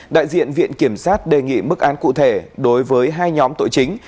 đại diện viện kiểm sát đề nghị mức án cụ thể đối với hai nhóm tội chính